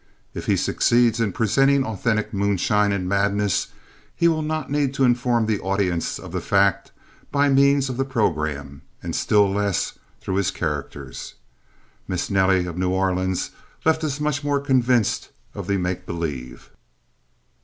If he succeeds in presenting authentic moonshine and madness he will not need to inform the audience of the fact by means of the program and still less through his characters. Mis' Nelly, of N'Orleans left us much more convinced of the make believe.